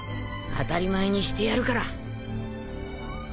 当たり前にしてやるから。